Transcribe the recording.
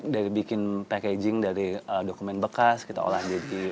dari bikin packaging dari dokumen bekas kita olah jadi